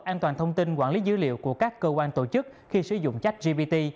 an toàn thông tin quản lý dữ liệu của các cơ quan tổ chức khi sử dụng trách gbt